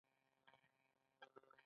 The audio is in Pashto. آیا کاناډا د نرسانو اړتیا نلري؟